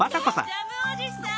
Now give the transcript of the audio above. ・ジャムおじさん！